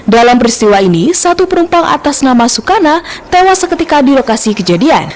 dalam peristiwa ini satu penumpang atas nama sukana tewas seketika di lokasi kejadian